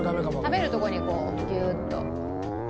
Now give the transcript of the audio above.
食べるところにこうギューッと。